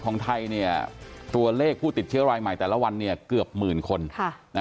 ของไทยเนี่ยตัวเลขผู้ติดเชื้อรายใหม่แต่ละวันเนี่ยเกือบหมื่นคน